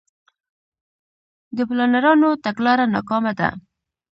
د پلانرانو تګلاره ناکامه ده.